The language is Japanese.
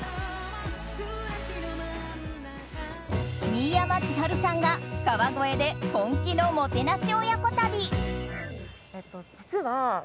新山千春さんが川越で本気のもてなし親子旅。